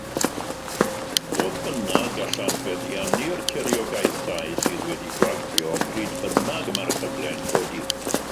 Fodd bynnag, gallant feddiannu tiriogaethau sydd wedi'u gwagio pryd bynnag mae'r cyfle yn codi.